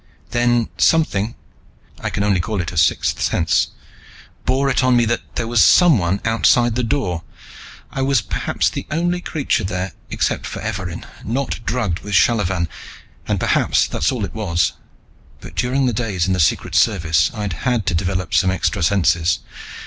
Then something I can only call it a sixth sense bore it on me that there was someone outside the door. I was perhaps the only creature there, except for Evarin, not drugged with shallavan, and perhaps that's all it was. But during the days in the Secret Service I'd had to develop some extra senses.